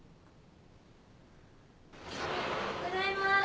・・ただいまー。